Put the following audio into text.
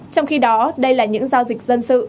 trong khi đó đây là những giao dịch dân sự